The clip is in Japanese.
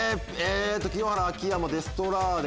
清原秋山デストラーデ。